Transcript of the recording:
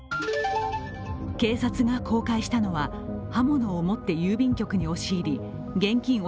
警察が公開したのは、刃物を持って郵便局に押し入り現金